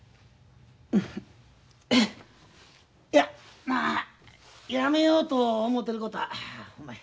いやまあやめようと思てることはほんまや。